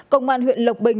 công an huyện lộc bình